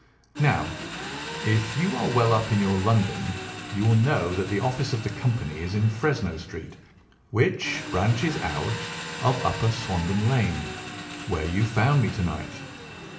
Now, if you are well up in your London, you will know that the office of the company is in Fresno Street, which branches out of Upper Swandam Lane, where you found me to night.